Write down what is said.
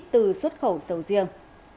từ xuất khẩu sầu riêng